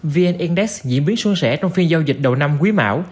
vn index diễn biến xuân sẻ trong phiên giao dịch đầu năm quý mão